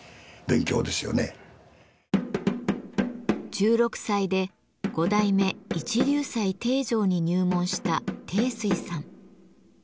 １６歳で五代目一龍斎貞丈に入門した貞水さん。